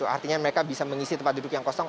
artinya mereka bisa mengisi tempat duduk yang kosong